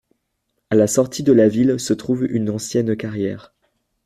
À la sortie de la ville se trouve une ancienne carrière